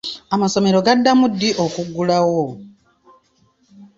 Amasomero gaddamu ddi okuggulawo?